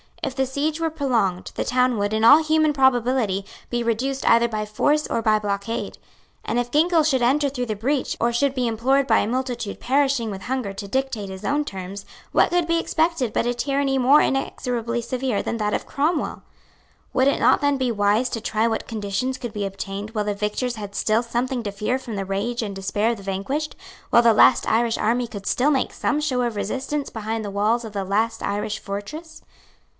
If the siege were prolonged, the town would, in all human probability, be reduced either by force or by blockade. And, if Ginkell should enter through the breach, or should be implored by a multitude perishing with hunger to dictate his own terms, what could be expected but a tyranny more inexorably severe than that of Cromwell? Would it not then be wise to try what conditions could be obtained while the victors had still something to fear from the rage and despair of the vanquished; while the last Irish army could still make some show of resistance behind the walls of the last Irish fortress?